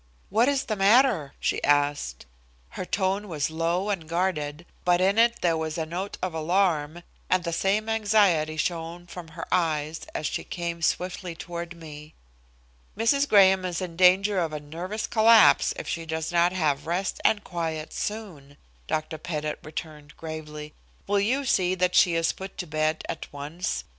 "What is the matter?" she asked. Her tone was low and guarded, but in it there was a note of alarm, and the same anxiety shown from her eyes as she came swiftly toward me. "Mrs. Graham is in danger of a nervous collapse if she does not have rest and quiet soon," Dr. Pettit returned gravely. "Will you see that she is put to bed at once?